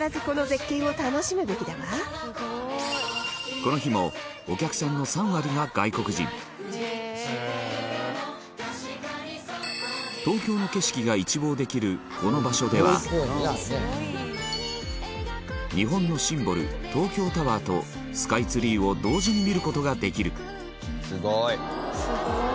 この日もお客さんの３割が外国人東京の景色が一望できるこの場所では日本のシンボル東京タワーと、スカイツリーを同時に見る事ができるウエンツ：すごい！